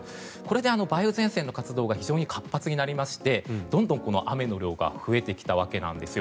これで梅雨前線の活動が非常に活発になりましてどんどん雨の量が増えてきたわけなんですよ。